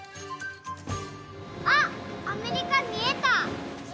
あっ、アメリカ見えた。